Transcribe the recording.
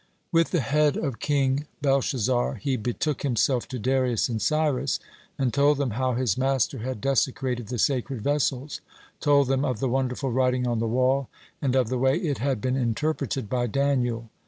With the head of King Belshazzar he betook himself to Darius and Cyrus, and told them how his master had desecrated the sacred vessels, told them of the wonderful writing on the wall, and of the way it had been interpreted by Daniel.